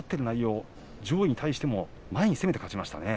上位に対しても前に出て勝ちましたね。